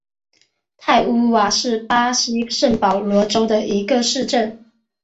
泰乌瓦是巴西圣保罗州的一个市镇。